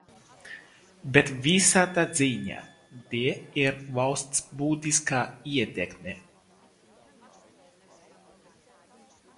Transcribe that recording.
Bet visādā ziņā te ir valsts būtiska ietekme.